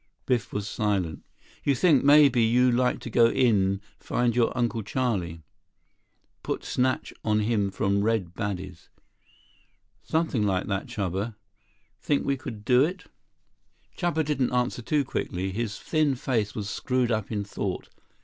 Biff was silent. "You think maybe you like to go in find your Uncle Charlie. Put snatch on him from Red baddies?" "Something like that, Chuba. Think we could do it?" 61 Chuba didn't answer too quickly. His thin face was screwed up in thought.